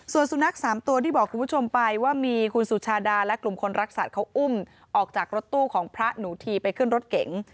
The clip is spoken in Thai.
ส่วนสุนัข๓ตัวที่บอกคุณผู้ชมไปว่ามีคุณสุชาดาและกลุ่มคนรักสัตว์เขาอุ้มออกจากรถตู้ของพระหนูทีไปขึ้นรถเก๋ง